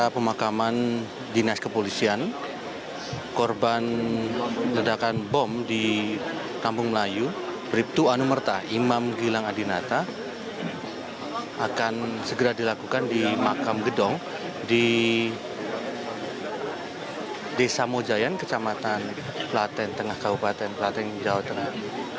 pemakaman dinas kepolisian korban ledakan bom di kampung melayu riptu anumerta imam gilang adinata akan segera dilakukan di makam gedong di desa mojayan kecamatan platen tengah kabupaten platen jawa tengah